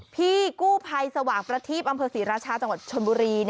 พี่กู้ภัยสว่างประทีปอำเภอศรีราชาจังหวัดชนบุรี